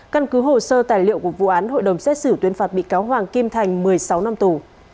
căn cứ hồ sơ tài liệu của vụ án hội đồng xét xử tuyên phạt bị cáo hoàng kim thành một mươi sáu năm tù